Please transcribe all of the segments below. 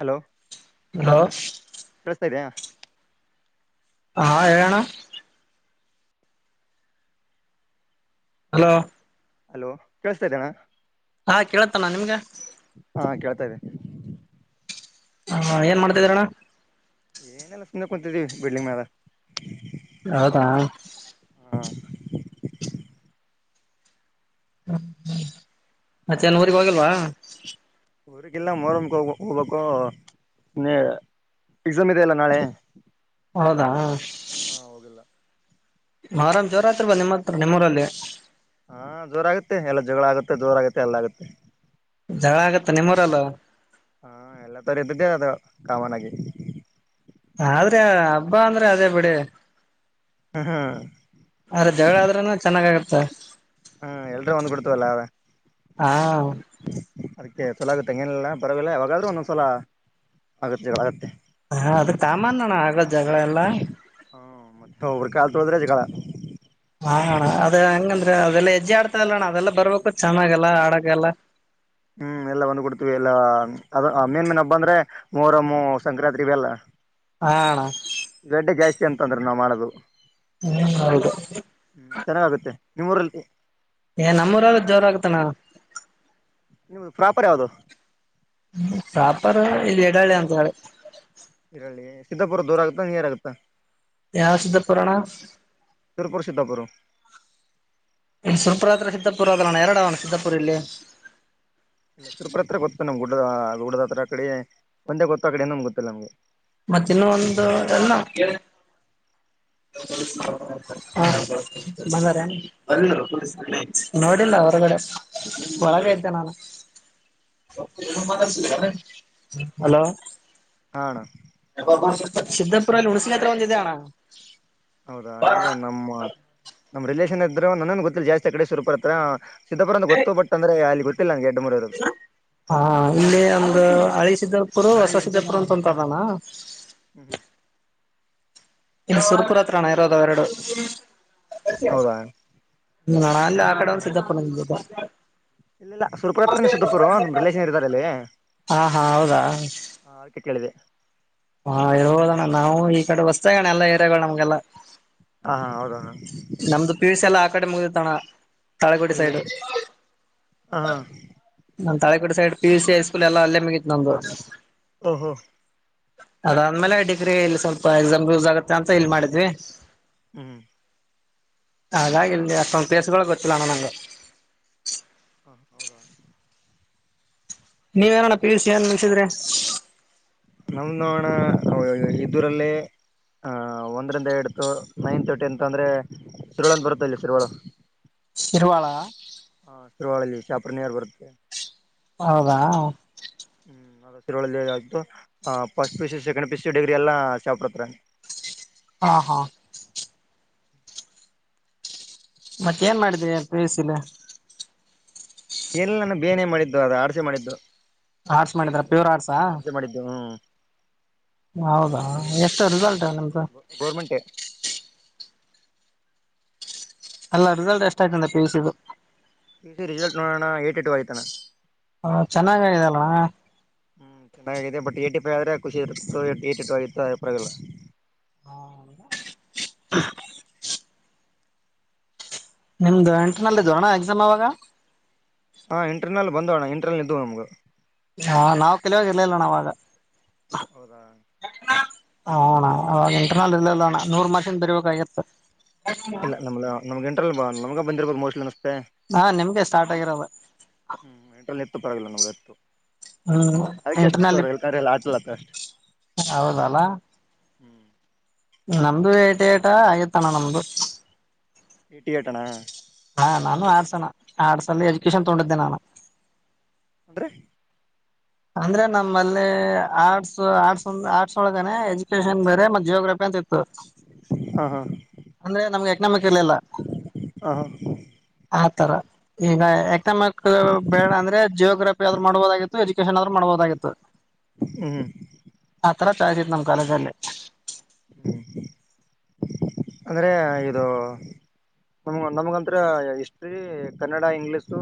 Hello hello ಕೇಳಿಸ್ತಾ ಇದೆಯಾ ಹಾ ಹೇಳಣ್ಣ ಹಲೋ ಹಲೋ ಕೇಳಸ್ತಾ ಇದಿಯಾ ಅಣ್ಣ ಹಾ ಕೇಳತಾಣ ನಿಮ್ಗ ಹಾ ಕೇಳ್ತಾ ಇದೆ ಹಾ ಏನ್ ಮಾಡ್ತಾಿ ಇದಿರಾ ಅಣ್ಣ ಏನೆಲ್ಲ ಸುಮ್ನೆ ಕುಂತೀದೀವಿ ಬಿಲ್ಡಿಂಗ್ ಮ್ಯಾಲ ಹೌದಾ ಹಾ ಹಾ ಮತ್ತ ಏನ್ ಊರಿಗ್ ಹೋಗಿಲ್ವಾ ಊರ್ಗಿಲ್ಲ ಮೊಹರಂ ಹೋಗ ಹೋಗ್ಬೇಕು ಎಕ್ಸಾಮ್ ಇದೆ ಅಲ್ಲ ನಾಳೆ ಹೌದಾ ಹಾ ಹೋಗಿಲ್ಲ ಮೋರಂ ಜೋರಾತ್ರಿ ಬರೋದು ನಿಮ್ಮ ಹತ್ರ ನಿಮ್ಮೂರಲ್ಲಿ. ಹಾ ಜೋರ ಆಗುತ್ತೆ ಎಲ್ಲ ಜಗಳ ಆಗುತ್ತೆ ಜೋರಾಗತ್ತೆ ಎಲ್ಲ ಆಗುತ್ತೆ. ಜಗಳ ಆಗತ್ತ ನಿಮ್ಮೂರಲ್ಲು. ಹ್ಹಾ ಎಲ್ಲ ಕಡೆ ಇದ್ದಿದ್ದೆ ಅದು ಕಾಮನ್ ಆಗಿ. ಆದ್ರೆ ಹಬ್ಬಾ ಅಂದ್ರೆ ಅದೇ ಬಿಡಿ. ಹ ಹಾ ಆದ್ರ ಜಗಳ ಆದ್ರೂನು ಚೆನ್ನಾಗಗತ್ತ. ಹ್ಮ ಎಲ್ರೂ ಒಂದ್ಬಿಡ್ತವಲ್ಲ ಅದ್ಕ. ಹಾ ಅದಕ್ಕೆ ಚಲ ಆಗುತ್ತೆಂಗೇನಲ್ಲ ಪರವಾಗಿಲ್ಲ ಯಾವಾಗಾದ್ರೂ ಒಂದೊಂದ್ಸಲ ಆಗುತ್ತೆ ಜಗಳ ಆಗುತ್ತೆ. ಹಾ ಅದು ಕಮಾನ್ ಅಣ್ಣ ಆಗೋದು ಜಗಳ ಎಲ್ಲಾ. ಹ್ಮ ಅವ್ರ ಕಾಲ್ ತುಳಿದ್ರೆ ಜಗಳ ಹಾ ಅಣ್ಣ ಅದ ಹಂಗಂದ್ರೆ ಅದೆಲ್ಲಾ ಹೆಜ್ಜೆ ಆಡ್ತದಲ್ಲ ಅಣ್ಣ ಅದೆಲ್ಲ ಬರ್ಬೇಕು ಚೆನ್ನಾಗಲ್ಲಾ ಆಡಾಕ್ಕೆಲ್ಲ. ಹ್ಮ್ ಎಲ್ಲ ಬಂದ್ ಬಿಡ್ತೀವಿ ಎಲ್ಲಾ ಅದ ಮೇನ್ ಮೇನ್ ಹಬ್ಬ ಅಂದ್ರೆ ಮೋರಮ್ಮ ಸಂಕ್ರಾಂತಿ ಅವೆಲ್ಲ. ಹ್ಹಾ ಅಣ್ಣ. ಗಡ್ಡೆ ಜಾಸ್ತಿ ಅಂತಂದ್ರೆ ನಾವ್ ಮಾಡೋದು. ಹ್ಮ ಹೌದು. ಹ್ಮ್ ಚೆನ್ನಾಗಾಗುತ್ತೆ ನಿಮ್ಮೂರಲ್ಲಿ. ಹೇ ನಮ್ಮೂರಲ್ಲಿ ಜೋರ ಆಗುತ್ತಣ್ಣ. ನಿಮ್ದು ಪ್ರಾಪರ್ ಯಾವ್ದು. ಹ್ಮ ಪ್ರಪರ್ ಇಲ್ಲಿ ಯಡಳ್ಳಿ ಅಂತ ಹೇಳಿ. ಯಡ್ಡಳಿ ಸಿದ್ದಾಪುರ ದೂರ ಆಗುತ್ತಾ ನೀಯರ್ ಆಗುತ್ತಾ. ಯಾವ ಸಿದ್ದಾಪುರ ಅಣ್ಣ. ಸುರಪುರ ಸಿದ್ದಾಪುರ. ಇಲ್ಲಿ ಸುರಪುರ ಹತ್ರ ಸಿದ್ದಪುರ ಅದಲ್ಲಣ್ಣ ಎರಡ ಆವ ಅಣ್ಣ ಸಿದ್ದಪುರ ಇಲ್ಲಿ. ಇಲ್ಲ ಸುರಪುರ ಹತ್ರ ಗೊತ್ತ ನಮ್ ಗುಡ್ಡ ಗುಡ್ಡದ ಹತ್ರರ ಕಡೆ ಒಂದ ಗೊತ್ತ ಕಡೆ ಇನ್ನೊಂದು ಗೊತ್ತಿಲ್ಲ ನಮಗೆ. ಮತ್ತ ಇನ್ನೊಂದು ಎಲ್ಲ. [unintelligible] ಬಂದರೇನು. ನೋಡಿಲ್ಲ ಹೊರಗಡೆ ಒಳಗೆ ಇದ್ದ ನಾನು. [unintelligible] ಹಲೋ ಹ್ಹಾ ಅಣ್ಣ. ಸಿದ್ಧಪುರಲ ಹುಣಸಿಗಿ ಹತ್ರ ಒಂದು ಇದೆ ಅಣ್ಣ. ಹೌದಾ ಇಲ್ಲ ನಮ್ಮ ನಮ್ಮ್ ರಿಲೇಷನ್ ಇದ್ರು ನನಗ ಗೊತ್ತಿಲ್ಲ ಜಾಸ್ತಿ ಆ ಕಡೆ ಸುರಪುರ ಹತ್ರ. ಸಿದ್ದಾಪುರಂತ ಗೊತ್ತು ಬಟ್ ಅಂದ್ರೆ ಗೊತ್ತಿಲ್ಲಂಗೆಡ್ಡರದು. ಹಾ ಇಲ್ಲಿ ಒಂದು ಹಳಿ ಸಿದ್ದಪುರ್ ಹೊಸ ಸಿದ್ದಪುರ್ ಅಂತ ಅಂತದಾನ. ಹ್ಮ್ ಹ್ಮ್ ಇಲ್ಲಿ ಸುರಪುರ ಹತ್ರ ಅಣ್ಣ ಇರೋದ ಅವೆರಡೂ. ಹೌದಾ ಅಲ್ಲೇ ಆ ಕಡೆ ಒಂದ ಸಿದ್ದಾಪುರ [unintelligible] ಇಲ್ಲ ಇಲ್ಲ ಸುರ್ಪುರ ಹತ್ರನೇ ಸುದ್ದಾಪುರ ನಮ್ಮ [unintelligible] ರಿಲೇಷನ್ ಇರ್ತಾರೆ ಅಲ್ಲಿ ಹಾ ಹಾ ಹೌದಾ ಹಾ ಅದ್ಕೆ ಕೇಳಿದೆ. ಹಾ ಇರಬೋದಣ್ಣ ನಾವು ಈ ಕಡೆ ಹೊಸ್ತಾಗಣ ಎಲ್ಲ ಏರಿಯಾಗಳು ನಮ್ಗೆಲ್ಲಾ. ಹಾ ಹಾ ಹೌದಣ್ಣ. ನಮ್ದು ಪಿಯುಸಿ ಎಲ್ಲ ಆ ಕಡೆ ಮುಗಿಡಿತಣ್ಣ ತಾಳಿಕೋಟೆ ಇಲ್ಲಿ ಸೈಡ್. ಹಾಂ ಹಾಂ ನಮ್ Talikote side P U C high school ಎಲ್ಲ ಅಲ್ಲೇ ಮಗಿತ್ ನಂದು. ಹೋ ಹೋಂ. ಅದಾದ್ಮೇಲೆ ಡಿಗ್ರಿ ಇಲ್ಲಿ ಸ್ವಲ್ಪ ಎಕ್ಸಾಮ್ ಯೂಸ್ ಆಗತ್ತೆ ಅಂತ ಇಲ್ಲಿ ಮಾಡಿದ್ವಿ. ಹ್ಮ್ ಹಾಗಾಗಿ ಇಲ್ಲಿ ಅಷ್ಟೊಂದು ಪ್ಲೇಸ್ಗಳು ಗೊತ್ತಿಲ್ಲಣ ನಂಗೆ ಹಾ ಹೌದ ನೀವ ಏನಣ್ಣ ಪಿ. ಯು. ಸಿ ಏನ್ ಮುಗ್ಸಿದ್ರೀ ನಮ್ದ ನೋಡಣ್ಣ ಇದ್ದುರಲ್ಲೆ ಹ ಒಂದ್ರಂದ ಎಟ್ತ್ತು ನೈನ್ತ್ ಟೆಂತ್ ಅಂದ್ರೆ ಶಿರ್ವಳ ಬರುತ್ತೆ ಇಲ್ಲಿ ಶಿರ್ವಳ. ಶಿರ್ವಾಳ. ಹಾ ಶಿರುವಳಲ್ಲಿ ಶಾಪ್ರ ನಿಯರ್ ಬರುತ್ತೆ. ಹೌದಾ. ಹ್ಮ್. ಹ್ಮ್ ಶಿರ್ವಳ್ ಅಲ್ಲಿ ಅಯ್ತು ಹಾ first P. U. C second P. U. C degree ಎಲ್ಲಾ ಶಾಪುರ್ ಹತ್ರ. ಹಾ ಹಾ ಮತ್ತ ಏನ್ ಮಾಡಿದ ಪಿಯುಸಿ ಎಲ್ಲಾ. ಎಲ್ಲ ನನ ಬಿ. ಎ ನೆ ಮಾಡಿದ್ದು ಅದ ಆರ್ಟ್ಸ್ ಹೆ ಮಾಡಿದ್ದು. ಆರ್ಟ್ಸ್ ಮಾಡಿದ್ರ ಪ್ಯೂರ್ ಆರ್ಟ್ಸಾ ಹಾ ಆರ್ ಸಿ ಮಾಡಿದ್ದು ಹ್ಮ್. ಹೌದಾ ಒಂದು ಏಟ್ ಎಷ್ಟು ರಿಸಲ್ಟ್ ಹ್ಮ್ ನಿಮ್ಮದು. ಗೌರ್ಮೆಂಟೇ ಅಲ್ಲ ರಿಸಲ್ಟ್ ಎಷ್ಟ ಆಯ್ತಾ ಅಂತ ಪಿ. ಯು. ಸಿ ದು. ಪಿ. ಯು. ಸಿ ರಿಸಲ್ಟ್ ನೋಡೋಣ ಯ್ಯೆಟಿ ಟು ಆಯ್ತ್ ಅಣ ಹ ಚೆನ್ನಾಗ ಆಗಿದೆ ಅಲ್ಲಾಣ. ಹ್ಮ್ ಚೆನ್ನಾಗಿದೆ ಬಟ್ ಏಟಿ ಫೈವ ಆದ್ರ ಖುಷಿ ಇತ್ತು ಏಟಿ ಟು ಆಗಿತ್ತು ಪರವಾಗಿಲ್ಲ. [unintelligible] ನಿಮ್ದು ಇಂಟರ್ನಲ್ ಇದೋಣ ಎಕ್ಸಾಮ್ ಯಾವಾಗ ಇಂಟರ್ನಲ್ ಬಂದೋಣ ಇಂಟರ್ನಲ್ ಇದವು ನಮ್ಗೆ ಹಾ ನಾವು ಕಲಿಯಾಗ ಇರ್ಲಿಲ್ಲ ಅಣ್ಣ ಅವಾಗ ಹೌದಾ ಹು ಅಣ್ಣ ಅವಾಗ ಇಂಟರ್ನಲ್ ಇರ್ಲಿಲ್ಲ ಅಣ್ಣ ನೂರ್ ಮಾರ್ಕ್ಸ್ಗ್ ಬರೀಬೇಕಿತ್ತು ಇಲ್ಲ ನಮ ನಮ್ಗೆ ಇಂಟರ್ನಲ್ ನಮ್ಗ ಬಂದಿರ್ಬೋದು ಮೋಸ್ಟ್ಲಿ ಅನಿಸ್ತಾದೆ ಹಾ ನಿಮ್ಗೆ ಸ್ಟಾರ್ಟ್ ಆಗಿರೋದು ಹ್ಮ್ ಇಂಟರ್ನಲ್ ಇತ್ತು ಪರವಾಗಿಲ್ಲ ನ ಎತ್ತು ಹ್ಮ್ ಅದಕ್ಕೆ ಎಷ್ಟುೋ ಎಲ್ಲ ಆಟಲತ್ತ ಅಷ್ಟೆ [unintelligible] ಹೌದಲಾ ಹ್ಮ್ ನಮ್ದು ಏಟೀ ಏಟಾ ಆಗಿತ್ತಣ ನಮ್ದು ಎಟಿ ಎಟ್ ಅಣ್ಣ ಹಾ ನಾನು ಆರ್ಟ್ಸ್ ಅಣ್ಣ ಆರ್ಟ್ಸ್ ಅಲ್ಲಿ ಎಜುಕೇಶನ್ ತಗೊಂಡಿದ್ದೆ ನಾನು‌. ಅಂದ್ರೆ ಅಂದ್ರೆ ನಮ್ಮಲ್ಲಿ ಆರ್ಟ್ಸ್ ಆರ್ಟ್ಸ್ ಆರ್ಟ್ಸ್ ಒಳಗನೆ ಎಜುಕೇಶನ್ ಬೇರೆ ಮತ್ತೆ ಜಿಯೋಗ್ರಫಿ ಅಂತ ಇರ್ತದ ಹಾ ಹಾ. ಅಂದ್ರೆ ನಮ್ಗೆ ಯಕನಮಿಕ್ ಇರ್ಲಿಲ್ಲ ಆ ಹಾ. ಆತರ ಈಗ ಎಕ್ನಾಮಿಕ್ ಬೇಡ ಅಂದ್ರೆ ಜಿಯೋಗ್ರಫಿ ಆದರು ಮಾಡ್ಬೋದಾಗಿತ್ತು ಎಜುಕೇಷನ್ ಆದರು ಮಾಡಬೋದಾಗಿತ್ತು. ಹ್ಮ್ ಆತರ ಚಾಯ್ಸ್ ಇತ್ತು ನಮ್ ಕಾಲೇಜಲ್ಲಿ ಹ್ಮ್ ಅಂದ್ರೆ ಇದು ನಮ್ ನಮಗಂತ್ರ ಹಿಸ್ಟ್ರಿ ಕನ್ನಡ ಇಂಗ್ಲೀಷು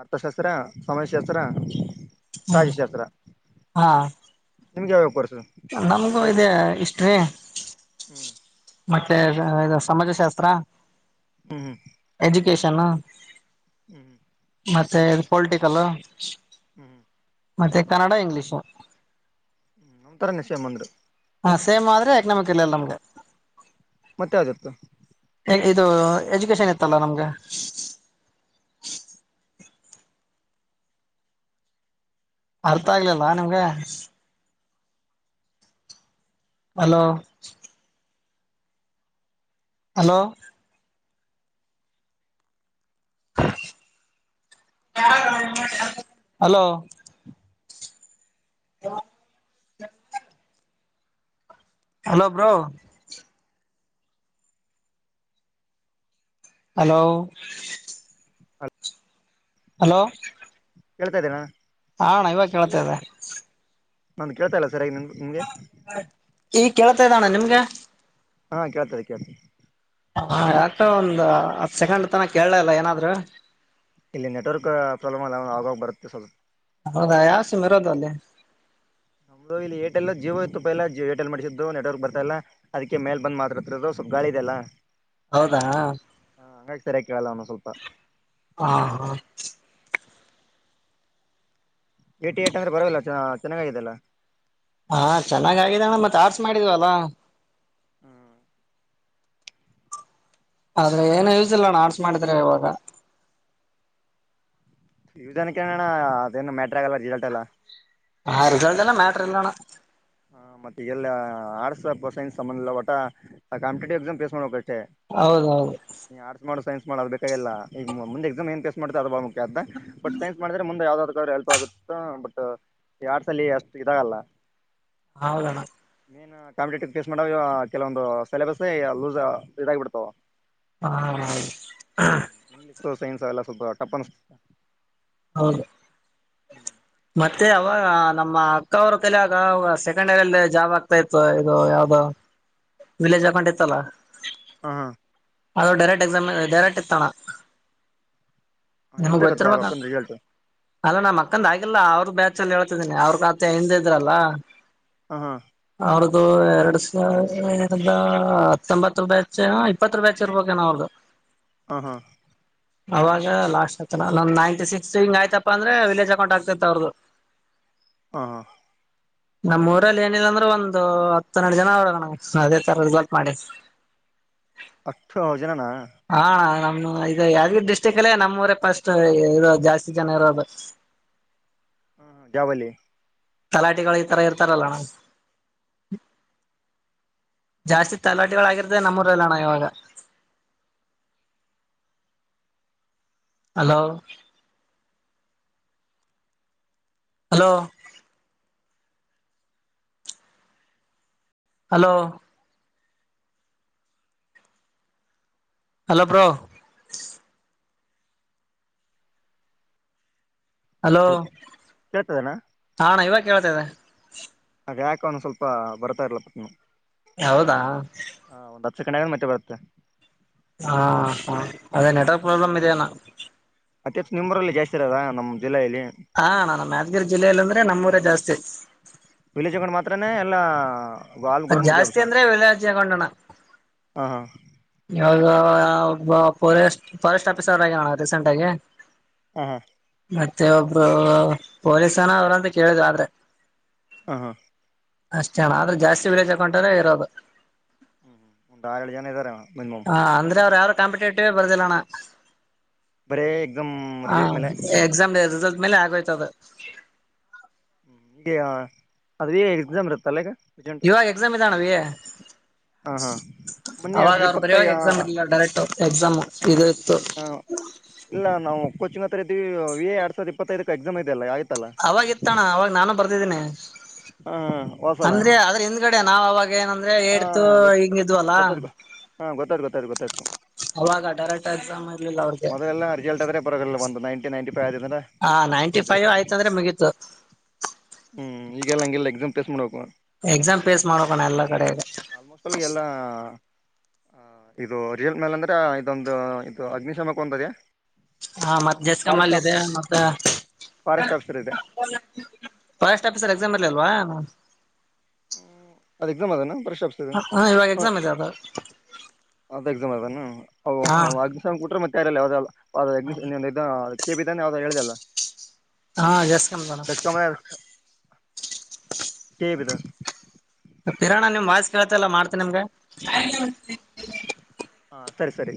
ಅರ್ಥಶಾಸ್ತ್ರ ಸಮಾಜಶಾಸ್ತ್ರ ರಾಜಶಾಸ್ತ್ರ ಹಾ ನಿಮ್ಗೆ ಯಾವ್ ಯಾವ್ ಕೋರ್ಸ್ ಇತ್ತು ನಮಗೂ ಇದೆ ಹಿಷ್ಟ್ರೀ ಹ್ಮ್ ಮತ್ತೆ ಸಮಾಜಶಾಸ್ತ್ರ ಹ್ಮ ಹ್ಮ ಎಜುಕೇಷನ್ ಹ್ಮ್ ಹ ಮತ್ತೆ ಇದು ಪೊಲಿಟಿಕಲ್ ಹ್ಮ್ ಹ್ಮ್ ಮತ್ತೆ ಕನ್ನಡ ಇಂಗ್ಲೀಷು ನಮತರನೆ ಸೇಮ್ ಅಂಗರೇ ಹಾ ಸೇಮ್ ಅದ್ರ ಎಕನಾಮಿಕ್ ಇಲ್ಲ ನಮಗ ಮತ್ತೆ ಯಾವ್ದು ಇತ್ತು ಇದು ಎಜುಕೇಶನ್ ಇತ್ತಲ್ಲಾ ನಮ್ಗೆ ಅರ್ಥ ಆಗ್ಲಿಲ್ಲ ನಿಮ್ಗೆ ಹಲೋ ಹಲೋ ಹಲೋ ಹ [unintelligible] ಹಲೋ ಬ್ರೋ ಹಲೋ ಹಲೋ ಕೆಳ್ತಾ ಇದ್ದೀಯಣ್ಣ ಆ ಅಣ್ಣಾ ಇವಾಗ ಕೇಳ್ತಾ ಇದೆ ನಂದು ಕೇಳ್ತಾಯಿಲ್ಲ ಸರಿಯಾಗಿ ನಿಮ ನಿಮಗೆ ಈ ಕೇಳ್ತಾ ಇದೆ ಅಣ್ಣಾ ನಿಮ್ಗೆ ಹಾ ಕೇಳ್ತಾ ಇದೆ ಕೇಳ್ತಾ ಇದೆ ಹಾ ಯಾಕೋ ಒಂದ್ ಹತ್ ಸೆಕಂಡ್ ತನಕ ಕೇಳಲ ಇಲ್ಲ ಏನಾದ್ರು ಇಲ್ಲಿ ನೆಟ್ವರ್ಕ್ ಪ್ರಾಬ್ಲಮ್ಲ್ಲ ಆಗಾಗ ಬರುತ್ತೆ ಸ್ವಲ್ಪ ಹೌದಾ ಯಾವ ಸಿಮ್ ಇರೋದು ಅಲ್ಲಿ ಮೊದಲು ಏರ್ಟೆಲ್ ಜಿಯೋ ಇತ್ತುಪ್ಪ ಏರ್ಟೆಲ್ ಮಾಡಿಸಸಿದ್ದ ನೆಟ್ವರ್ಕ್ ಬರ್ತಾ ಇಲ್ಲ ಅದಕ್ಕೆ ಮೇಲ್ ಬಂದ್ ಮಾತಾಡತಾ ಇರೋದು ಸ್ವಲ್ಪ ಗಾಳಿ ಇದೆ ಅಲ್ಲ ಹೌದಾ ಹಾ ಹಂಗ ಹಾಗೆ ಸರಿಯಾಗಿ ಕೇಳೋಲ್ಲ ಒಂದೊಂದ್ ಸ್ವಲ್ಪ ಹಾ ಹಾ ಏಟಿ ಏಟ್ ಅಂದ್ರೆ ಪರವಾಗಿಲ್ಲ ಚೆನ್ನಾಗಾಗಿದೆಲ್ಲ ಹಾ ಚೆನ್ನಾಗ್ ಆಗಿದೆ ಅಣ್ಣ ಮತ್ತ ಆರ್ಟ್ಸ್ ಮಾಡಿದ್ವಲ್ಲಾ ಹ್ಮ್ ಆದ್ರೆ ಏನು ಯೂಸ್ ಇಲ್ಲ ಅಣ್ಣಾ ಆರ್ಟ್ಸ್ ಮಾಡಿದ್ರೆ ಇವಾಗ ಇ ಜನ ಕೆನ್ ಅಣ್ಣ ಅದೇನು ಮ್ಯಾಟ್ರ ಆಗಲ್ಲ ರಿಸಲ್ಟ್ ಎಲ್ಲಾ ಹಾ ರಿಸಲ್ಟ್ ಎಲ್ಲ ಮ್ಯಾಟ್ರ ಇಲ್ಲಣ್ಣ ಮತ್ತೆ ಎಲ್ಲ ಆರ್ಟ್ಸ್ ಸೈನ್ಸ್ ಸಂಬಂಧ ಇಲ್ಲ ಒಟ್ಟ ಕಾಂಪಿಟೇಟಿವ್ ಎಕ್ಸಾಮ್ ಪೇಸ್ ಮಾಡಬೇಕಷ್ಟೆ ಹೌದೌದು ನೀ ಆರ್ಟ್ಸ್ ಮಾಡ ಸೈನ್ಸ್ ಮಾಡ ಅದ ಬೇಕಾಗಿಲ್ಲ ಈ ಮುಂದ ಎಕ್ಸಾಮ ಹೆಂಗ ಫೇಸ್ ಮಾಡತಿ ಅದು ಬಾಳ ಮುಖ್ಯ ಆಗ್ತದ ಅಂತ ಹ [inaudible] ಸೈನ್ಸ್ ಮಾಡಿದ್ರೆ ಮುಂದೆ ಯಾವ್ದಕ್ಕಾದ್ರು ಹೆಲ್ಪ್ ಆಗುತ್ತೆ ಬಟ್ ಈ ಆರ್ಟ್ಸ್ ಅಲ್ಲಿ ಅಷ್ಟು ಇದಾಗಲ್ಲ ಹೌದಣ್ಣ ಮೇನ್ ಕಾಂಪಿಟೇಟಿವ್ ಫೇಸ್ ಮಾಡಾಗ ಕೆಲವೊಂದು ಸಿಲೆಬಸ್ ಲೂಸ್ ಇದಾಗಬಿಡ್ತವು ಹಾ ಸೈನ್ಸ್ ಅವೆಲ್ಲ ಸ್ವಲ್ಪ ಟಫ್ ಅನ್ಸುತ್ತೆ ಹೌದು ಹ್ಮ್ ಮತ್ತೆ ಅವಾಗ ನಮ್ಮ ಅಕ್ಕ ಅವರು ಕಲಯಾಗ ಸೆಕೆಂಡ್ ಇಯರ್ ಅಲ್ಲಿ ಜಾಬ್ ಆಗ್ತಾ ಇತ್ತು ಇದು ಯಾವ್ದೋ ಅದು ವಿಲೇಜ್ ಅಕೌಂಟ್ ಇತ್ತಲ ಹ ಹಾ ಅದು ಡೈರೆಕ್ಟ್ ಎಕ್ಸಾಮ ಡರೆಕ್ಟ್ ಇತಣ ಹಾ ನಮಗ್ ಎಷ್ಟಾಗತ್ತೆ ಆಗ ಗೊತ್ತಿರ್ಬೇಕಣ್ಣ ಅಕ್ಕನ್ ರಿಸಲ್ಟ್ ಅಲ್ಲಾ ನಾಮ್ ಅಕ್ಕಂದ ಆಗಿಲ್ಲಾ ಅವ್ರ್ ಬ್ಯಾಚ್ ಅಲ್ಲಿ ಹೇಳ್ತಿದ್ದೀನಿ ಅವ್ರ ಕ ಆತ ಹಿಂದ ಇದ್ರಲ್ಲ ಹಾ ಹಾ ಅವ್ರ್ದು ಎರಡ್ ಸಾವಿರದ ಹತ್ತೊಂಬತ್ತು ಬ್ಯಾಚ್ ಇಪ್ಪತ್ತು ಬ್ಯಾಚ್ ಇರ್ಬೇಕನ ಅವ್ರ್ದು ಹ್ಮ ಹಾ ಆವಾಗ ಲಾಸ್ಟ್ ಆತನ ನಯಿಂಟಿ ಸಿಕ್ಸ್ ಹಂಗ ಆಯ್ತಪ್ಪ ಅಂದ್ರೆ ವಿಲಜ್ ಅಕೌಂಟ್ ಆಗ್ತೈತ ಅವರದು ಹಾ ನಮ್ಮ್ ಊರಲ್ಲಿ ಏನಿಲ್ಲ ಅಂದ್ರೆ ಒಂದು ಹತ್ತನ್ನೆರಡು ಜನ ಅವರಣ್ಣ ಅದೇ ತರದ ರಿಸಲ್ಟ್ ಮಾಡಿ ಹತ್ ಒಂಬತ್ ಜನನ ಹಾ ಅಣ್ಣ ನಮ್ ಈಗ ಯಾದಗಿರಿ ಡಿಸ್ಟ್ರಿಕ್ ಅಲ್ಲೇ ನಮ್ಮ್ ಊರೆ ಫಸ್ಟ್ ಇರೋದು ಜಾಸ್ತಿ ಜನ ಇರೋದು ದಾವಲಿ [unintelligible] ತಲಾಟಿಕಗಳು ಈ ತರ ಇರ್ತಾರಲ್ಲಣ್ಣ ಜಾಸ್ತಿ ತಲಾಟೆಗಳಾಗಿರದೆ ನಮ್ಮ ಊರಲ್ಲೋಣ ಇವಾಗ hello hello hello hello bro hello ಕೇಳ್ತದನಾ ಹ ಅಣ್ಣ ಇವಾಗ ಕೇಳ್ತಾದೆ ಅದ ಯಾಕೆ ಒಂದ ಸ್ವಲ್ಪ ಬರ್ತಾ ಇಲ್ಲ ಪಟ್ನು ಹೌದಾ ಹ ಒಂದ್ ಹತ್ತು ಸೆಕೆಂಡ್ ಆದ್ರೆ ಮತ್ತೆ ಬರುತ್ತೆ ಹಾ ಹ ಅದೇ ನೆಟ್ವರ್ಕ್ ಪ್ರಾಬ್ಲಮ್ ಇದೆಯನಾ ಅತಿ ಹೆಚ್ಚು ನಿಮ್ಮರಲ್ಲಿ ಜಾಸ್ತಿ ಇರದ ನಮ್ಮ್ ಜಿಲ್ಲೆಯಲ್ಲಿ ಹಾ ಅಣ್ಣ ನಮ್ ಯಾದಗಿರಿ ಜಿಲ್ಲೆಯಲ್ಲಿ ಅಂದ್ರೆ ನಮ್ಮೂರ ಜಾಸ್ತಿ ವಿಲೇಜ್ ಅಕೌಂಟ್ ಮಾತ್ರ ನೆ ಎಲ್ಲ ಅದ್ ಜಾಸ್ತಿ ಅಂದ್ರೆ ವಿಲೇಜ್ ಅಕೌಂಟ್ ಅಣ್ಣ ಹಾ ಹಾ ಯಾವ್ದು ಫಸ್ಟ್ ಫಾರೆಸ್ಟ್ ಆಫೀಸರ್ ಆಗ್ಯಾನ ಅಣ್ಣ ರೀಸೆಂಟ್ ಆಗಿ ಹಾ ಹಾ ಮತ್ತೆ ಒಬ್ರು ಪೊಲೀಸನ ಅವ್ರಂತ ಕೇಳಿದ್ರು ಆದ್ರೆ ಹಾಂ ಹಾ ಅಷ್ಟ ಅಣ್ಣ ಆದ್ರೆ ಜಾಸ್ತಿ ವಿಲೇಜ್ ಅಕೌಂಟ್ ಅವ್ರೆ ಇರೋದು ಹ್ಮ್ ಹ್ಮ್ ದಯಲು ಏನ್ ಹೇಳಿ ಇದ್ದಾರಣ ಹಾ ಅಂದ್ರೆ ಅವ್ ಯಾರು ಕಾಂಪಿಟೇಟಿವ್ ಬರ್ದಿಲ್ಲಣ ಬರಿ ಎಕ್ಸಾಮ್ ರಿಸಲ್ಟ್ ಮೇಲೆ ಎಕ್ಸಾಮ್ ರಿಸಲ್ಟ್ ಮೇಲೆ ಆಗೋಯ್ತದ ಈ ಅದ ಎಕ್ಸಾಮ್ ಇರುತ್ತಲ್ಲ ಈಗ ಇವಾಗ ಎಕ್ಸಾಮ್ ಇದಾನ ಹ ಹಾ ಮೊನ್ನೆ ಎರಡ್ ಅವಾಗ ಸಾವಿರದ ಅವ್ರು ಬರಿಯುವಾಗ ಎಕ್ಸಾಮ್ ಇಪ್ಪತ್ತ ಇರಲಿಲ್ಲ ಅಣ್ಣ ಡೈರೆಕ್ಟ್ ಎಕ್ಸಾಮ್ ಇದ್ ಇತ್ತು ಹ ಇಲ್ಲ ನಾವು ಕೋಚಿಂಗ್ ಹತ್ರ ಇದೀವಿ ವಿ. ಎ ಎರಡ್ ಸಾವಿರದ ಇಪ್ಪತ್ತೈದಕ್ಕೆ ಎಕ್ಸಾಮ್ ಇದೆೆಯಲ್ಲ ಆಯ್ತಲ್ಲ ಅವಾಗ ಇತ್ತಣ್ಣ ಅವಾಗ ನಾನು ಬರ್ತಿದ್ದೀನಿ ಹಾ ಹೊಸಲ ಅಂದ್ರೆ ಆದ್ರ್ ಹಿಂದ್ಗಡೆ ನಾವ ಅವಾಗ ಏನ ಅದೇ ಹಾ ಏಡ್ತ ಗೊತ್ ಹಿಂಗಿದ್ವಲ್ಲ ಗೊತ್ತದ ಹಾ ಗೊತ್ತಾಯ್ತು ಗೊತ್ತಾಯ್ತು ಗೊತ್ತಾಯ್ತು ಅವಾಗ ಡೈರೆಕ್ಟ್ ಎಕ್ಸಾಮ್ ಇರ್ಲಿಲ್ಲ ಅವ್ರಿಗೆ ಮೊದಲೆಲ್ಲ ರಿಸಲ್ಟ್ ಆದ್ರೆ ಪರವಾಗಿಲ್ಲ ಒಂದು ನೈಟೀ ನೈನ್ಟ ಫೈ್ ಆದ್ರೆ ಹಾ ನೈನ್ಟಿ ಫೈವ್ ತಗೋತಿದ್ರು ಆಯ್ತ ಅಂದ್ರೆ ಮುಗಿತು ಹ್ಮ್ ಈಗೆಲ್ಲ ಹಂಗಿಲ್ಲ ಎಕ್ಸಾಮ್ ಫೇಸ್ ಮಾಡಬೇಕು ಎಕ್ಸಾಮ್ ಪೇಸ್ ಮಾಡಬೇಕಣ್ಣ ಎಲ್ಲಾ ಕಡೆ ಇಗ ಆಲ್ಮೋಸ್ಟ್ ಅಲ್ಲಿ ಎಲ್ಲ ಹ ಇದು ರಿಯಲ್ ಮೇಲ್ ಅಂದ್ರೆ ಇದೊಂದು ಇದು ಅಗ್ನಿಶಾಮಕ ಒಂದ್ ಅದೇ ಹಾ ಮತ್ತೆ ಜಸ್ಕಮ್ಮಲ್ಲಿ ಇದೆ ಮತ್ತೆ ಫಾರೆಸ್ಟ್ ಆಫೀಸರ್ ಇದೆ ಫಾರೆಸ್ಟ್ ಆಫೀಸರ್ ಎಕ್ಸಾಮ್ ಇರಲಿಲ್ವಾ ಅದ ಎಕ್ಸಾಮ್ ಅದನ ಫಾರೆಸ್ಟ್ ಆಫಸರ್ ಸರಿ ಹ ಇವಾಗ ಹಾ ಎಕ್ಸಾಮ್ ಇದೆ ಅದು ಅದು ಎಕ್ಸಾಮ್ ಅದ ನಾ ಹಾ ಟ್ರ ಮತ್ತೆಾರ ಕೆ ಬಿದ್ದಾನೆ ಯ ಹೇಳಲ್ಲ ಹಾ ಜಸ್ಕಮ್ [unintelligible] ದಷ್ಟಕ ಕೆ ಪಿತ [unintelligible] ಇರಾಣ ನಿಮ್ ವಯಸ್ ಕೇಳ್ತ ಇಲ್ಲ ಮಾಡ್ತೇನ ನಿಮ್ಗೆ ಹಾ ಸರಿ ಸರಿ